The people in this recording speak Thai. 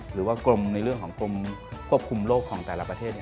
หรือว่ากรมในเรื่องของกรมควบคุมโรคของแต่ละประเทศ